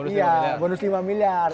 iya bonus lima miliar